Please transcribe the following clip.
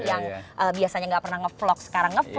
yang biasanya nggak pernah nge vlog sekarang nge vlog